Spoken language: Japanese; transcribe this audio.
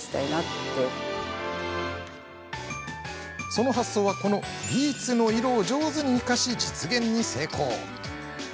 その発想は、このビーツの色を上手に生かし、実現に成功。